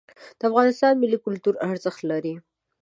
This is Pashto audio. د افغانستان ملي کلتور ارزښت لري.